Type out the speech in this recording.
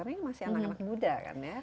karena ini masih anak anak muda kan ya